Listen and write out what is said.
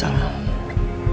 lagi lagi aku menyesal